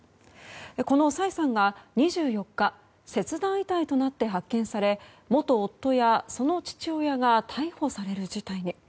このサイさんが、２４日切断遺体となって発見され元夫やその父親が逮捕される事態に。